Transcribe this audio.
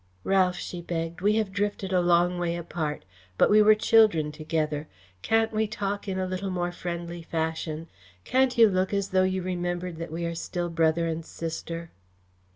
"Ralph," she begged, "we have drifted a long way apart, but we were children together. Can't we talk in a little more friendly fashion? Can't you look as though you remembered that we are still brother and sister?"